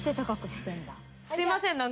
すいません。